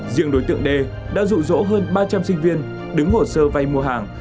riêng đối tượng đê đã rụ rỗ hơn ba trăm linh sinh viên đứng hồ sơ vay mua hàng